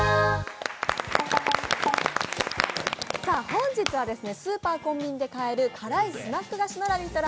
本日はスーパー・コンビニで買える辛いスナック菓子のラヴィット！